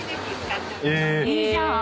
いいじゃーん。